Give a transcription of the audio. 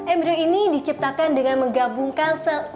embryo ini diciptakan dengan menggabungkan sebagian dari kaki